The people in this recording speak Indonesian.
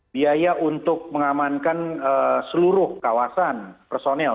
biaya untuk mengamankan seluruh kawasan personil